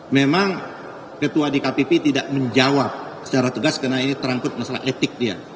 memang ketua dkpp tidak menjawab secara tegas karena ini terangkut masalah etik dia